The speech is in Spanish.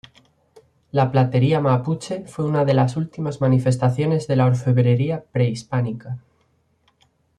La platería mapuche fue una de las últimas manifestaciones de la orfebrería prehispánica.